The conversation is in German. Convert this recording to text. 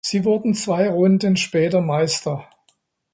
Sie wurden zwei Runden später Meister.